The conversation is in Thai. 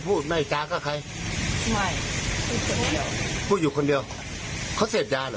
พูดใหม่จากกับใครพูดอยู่คนเดียวเขาเสพยาหรือ